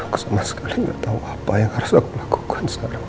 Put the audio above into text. aku sama sekali tidak tahu apa yang harus aku lakukan sekarang